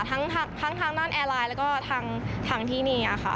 ทั้งทางด้านแอร์ไลน์แล้วก็ทางที่นี่ค่ะ